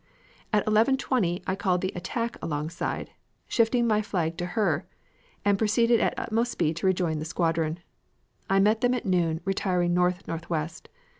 "At 11.20 I called the Attack alongside, shifting my flag to her, and proceeded at utmost speed to rejoin the squadron. I met them at noon, retiring north northwest.